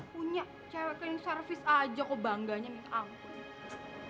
punya cewe cleaning service aja kok bangganya nih ampun